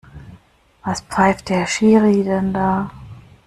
Was pfeift der Schiri denn da?